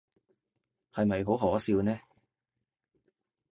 係咪好可笑呢？